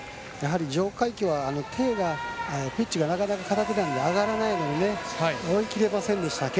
徐海蛟は、手がピッチがなかなか片手なので上がらないので追いきれませんでした。